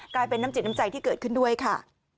กลายเป็นน้ำจิตน้ำใจที่เกิดขึ้นด้วยค่ะ